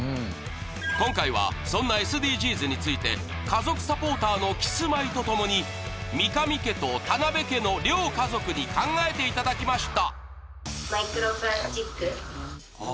今回はそんなＳＤＧｓについて家族サポーターのキスマイとともに三神家と店部家の両家族に考えていただきました！